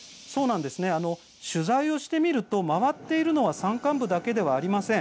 取材してみると回っているのは山間部だけではありません。